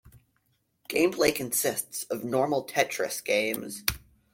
Gameplay consists of normal Tetris games.